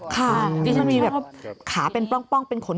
ดิฉันมีแบบขาเป็นป้องเป็นขน